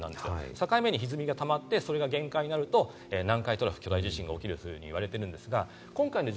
境目にひずみがたまって、そこが限界になると南海トラフ、巨大地震が起きると言われています。